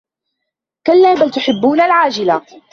كَلّا بَل تُحِبّونَ العاجِلَةَ